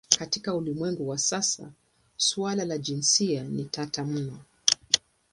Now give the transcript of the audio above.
Katika ulimwengu wa sasa suala la jinsia ni tata mno.